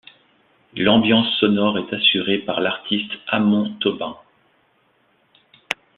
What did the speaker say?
L'ambiance sonore est assurée par l'artiste Amon Tobin.